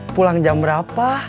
pulang jam berapa